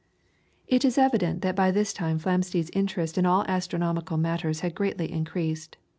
It is evident that by this time Flamsteed's interest in all astronomical matters had greatly increased.